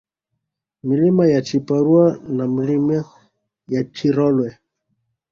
Milima ya Chiparua na Milima ya Chirolwe